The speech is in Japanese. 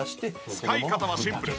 使い方はシンプル。